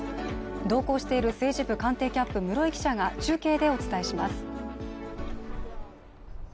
同行している政治部官邸キャップ室井記者が中継でお伝えします。